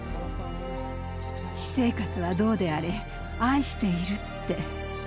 「私生活はどうであれ愛している」って。